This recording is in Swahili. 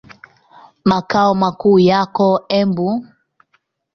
Makao makuu yako Embu.